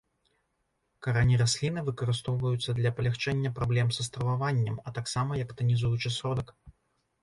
Карані расліны выкарыстоўваюцца для палягчэння праблем са страваваннем, а таксама як танізуючы сродак.